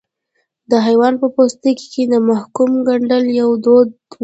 د حیوان په پوستکي کې د محکوم ګنډل یو دود و.